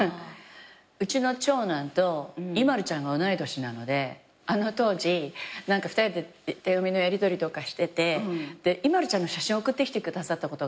うちの長男とＩＭＡＬＵちゃんが同い年なのであの当時２人で手紙のやりとりとかしててＩＭＡＬＵちゃんの写真送ってきてくださったの。